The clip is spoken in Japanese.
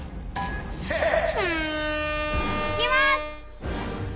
いきます！